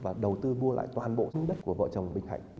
và đầu tư mua lại toàn bộ những đất của vợ chồng bình hạnh